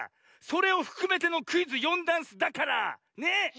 それをふくめてのクイズ「よんだんす」だから！ね。え？